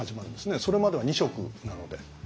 それまでは２食なので。